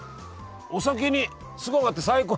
お酒にすごい合って最高。